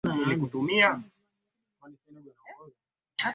Ni jumba lililojengwa na Sultan wa pili wa Zanzibar